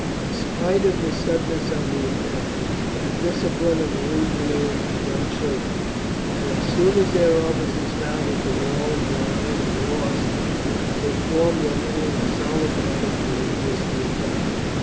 In spite of the suddenness of the attack, the discipline of the legionaries was unshaken, and as soon as their officers found that the walls were already lost they formed their men in a solid body to resist the attack.